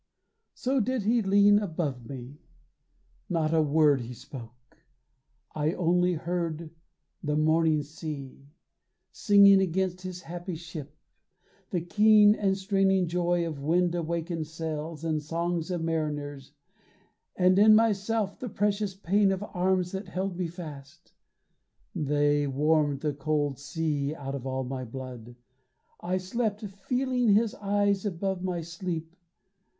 So did he lean above me. Not a word He spoke; I only heard the morning sea Singing against his happy ship, the keen And straining joy of wind awakened sails And songs of mariners, and in myself The precious pain of arms that held me fast. They warmed the cold sea out of all my blood; I slept, feeling his eyes above my sleep.